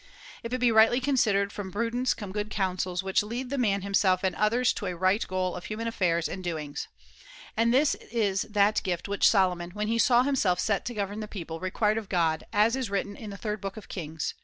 If it be rightly considered, from prudence come good counsels which lead the man himself and others to a right goal of human affairs ] and doings. And this is that gift which Solomon, when he saw himself set to govern the people, required of God, as is written in the third book of Kings.